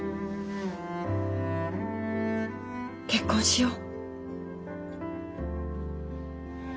結婚しよう。